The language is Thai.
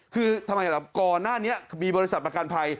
คือทำไมล่ะก่อนหน้านี้มีบริษัทประกันภัย